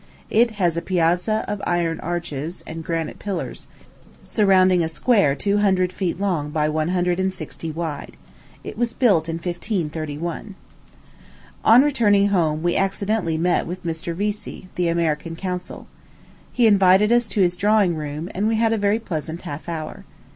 It is a piazza of iron arches and granite pillars, surrounding a square two hundred feet long by one hundred and sixty wide. It was built in 1531. On returning home, we accidentally met with Mr. Vesey, the American consul. He invited us to his drawing room, and we had a very pleasant half hour.